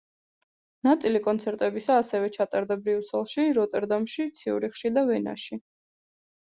ნაწილი კონცერტებისა ასევე ჩატარდა ბრიუსელში, როტერდამში, ციურიხში და ვენაში.